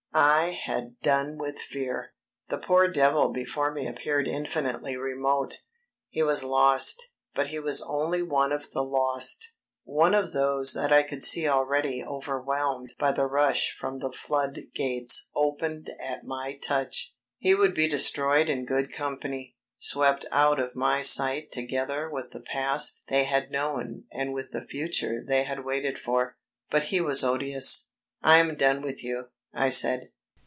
I had done with fear. The poor devil before me appeared infinitely remote. He was lost; but he was only one of the lost; one of those that I could see already overwhelmed by the rush from the flood gates opened at my touch. He would be destroyed in good company; swept out of my sight together with the past they had known and with the future they had waited for. But he was odious. "I am done with you," I said.